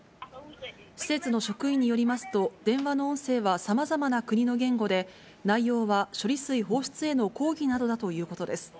施設の職員によりますと、電話の音声はさまざまな国の言語で、内容は処理水放出への抗議などだということです。